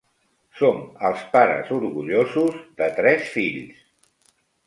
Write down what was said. Som els pares orgullosos de tres fills.